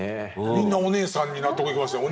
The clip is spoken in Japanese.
みんなお姉さんに納得いきますね。